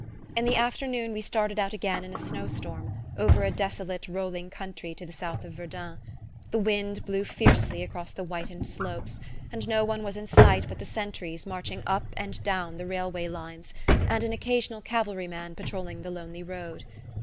In the afternoon we started out again in a snow storm, over a desolate rolling country to the south of Verdun. The wind blew fiercely across the whitened slopes, and no one was in sight but the sentries marching up and down the railway lines, and an occasional cavalryman patrolling the lonely road.